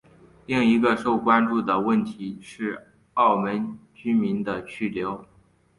另一个受关注的问题是澳门居民的去留。